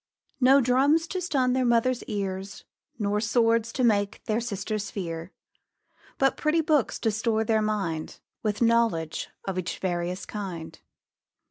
No drums to stun their Mother's ear, Nor swords to make their sisters fear; But pretty books to store their mind With knowledge of each various kind.